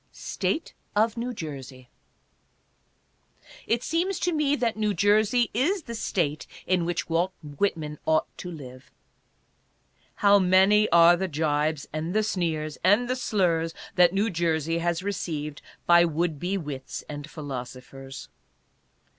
STATE OF NEW JERSEY. It seems to me that New Jersey is the State in which Walt Whitman ought to live. How many are the jibes, and the sneers, and the slurs that New Jersey has received by would be wits and philosophers